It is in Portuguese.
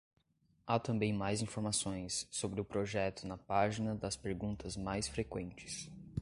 Há também mais informações sobre o projeto na página das perguntas mais frequentes.